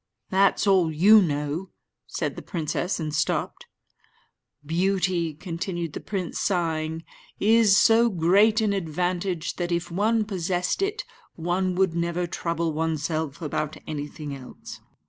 "That's all you know," said the princess, and stopped. "Beauty," continued the prince, sighing, "is so great an advantage that, if one possessed it, one would never trouble oneself about anything else.